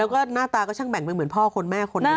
แล้วก็หน้าตาก็ช่างแบ่งเป็นเหมือนพ่อคนแม่คนหนึ่ง